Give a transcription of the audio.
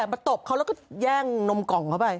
มาตบเขาแล้วก็แย่งนมกล่องเข้าไป